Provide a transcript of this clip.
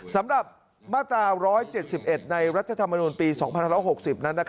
สำหรับมาตรา๑๗๑ในรัฐธรรมนูลปี๒๑๖๐นั้น